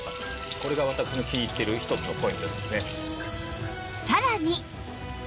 これが私の気に入ってる一つのポイントですね。